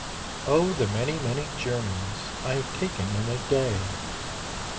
Oh! the many, many journeys I have taken in a day!